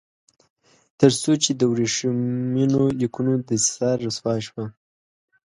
تر څو چې د ورېښمینو لیکونو دسیسه رسوا شوه.